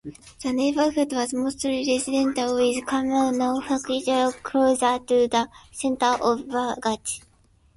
The neighborhood was mostly residential, with commercial facilities closer to the center of Belgrade.